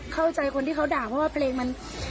คนที่เขาด่าเพราะว่าเพลงมัน